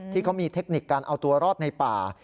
ที่เขามีเทคนิคการเอาตัวรอดในป่า